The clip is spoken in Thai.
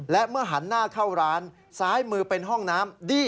และเมื่อหันหน้าเข้าร้านซ้ายมือเป็นห้องน้ำ